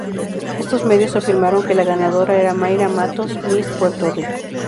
Estos medios afirmaron que la ganadora era Mayra Matos, "Miss Puerto Rico".